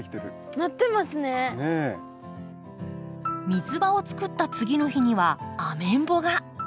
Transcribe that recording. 水場を作った次の日にはアメンボが。